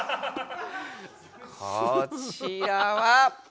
こちらは。